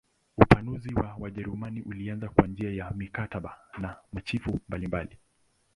Upanuzi wa Wajerumani ulianza kwa njia ya mikataba na machifu mbalimbali.